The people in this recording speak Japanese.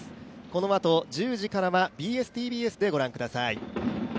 このあと１０時からはＢＳ−ＴＢＳでご覧ください。